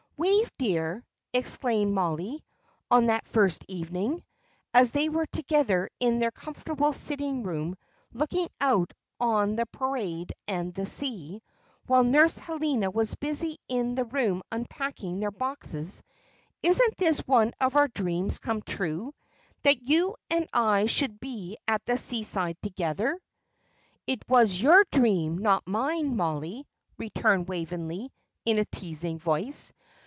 "Wave, dear," exclaimed Mollie, on that first evening, as they were together in their comfortable sitting room looking out on the Parade and the sea, while Nurse Helena was busy in the room above unpacking their boxes, "isn't this one of our dreams come true, that you and I should be at the seaside together?" "It was your dream, not mine, Mollie," returned Waveney, in a teasing voice.